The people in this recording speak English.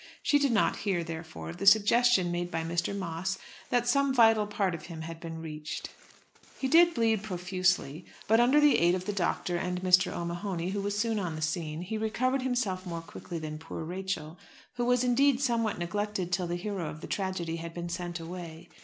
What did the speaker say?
She did not hear, therefore, of the suggestion made by Mr. Moss that some vital part of him had been reached. He did bleed profusely, but under the aid of the doctor and Mr. O'Mahony, who was soon on the scene, he recovered himself more quickly than poor Rachel, who was indeed somewhat neglected till the hero of the tragedy had been sent away.